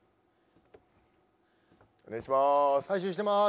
お願いします。